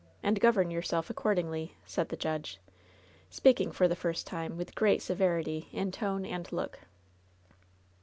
And govern yourself accordingly," aaid the judge, speaking for the first time with great severity in tone and look.